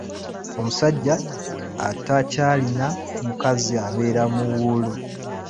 Omusajja atakyalina mukazi abeera muwuulu.